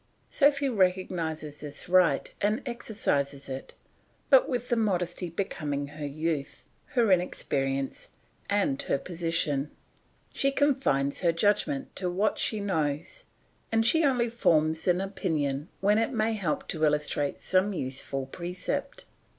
Sophy recognises this right and exercises it, but with the modesty becoming her youth, her inexperience, and her position; she confines her judgment to what she knows, and she only forms an opinion when it may help to illustrate some useful precept.